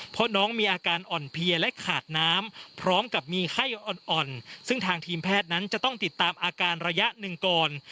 เพราะน้องมีอาการอ่อนเพลียและขาดน้ำพร้อมกับมีไข้อ่อนซึ่งทางทีมแพทย์นั้นจะต้องติดตามอาการระยะหนึ่งก่อน